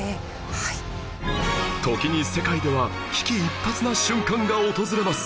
時に世界では危機一髪な瞬間が訪れます